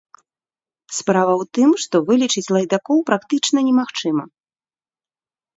Справа ў тым, што вылічыць лайдакоў практычна немагчыма.